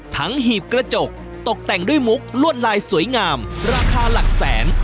หีบกระจกตกแต่งด้วยมุกลวดลายสวยงามราคาหลักแสน